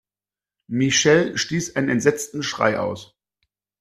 Michelle stieß einen entsetzten Schrei aus.